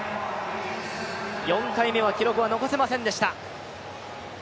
４回目は記録を残せませんでした。